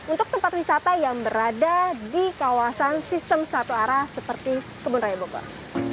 untuk tempat wisata yang berada di kawasan sistem satu arah seperti kebun raya bogor